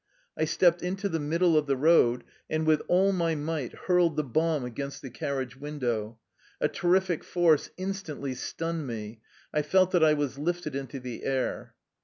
I stepped into the middle of the road, and with all my might hurled the bomb against the car riage window. A terrific force instantly stunned me. I felt that I was lifted into the air.